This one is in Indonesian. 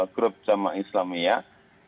grup cama islamiyah